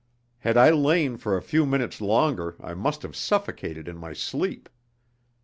Had I lain for a few moments longer I must have suffocated in my sleep.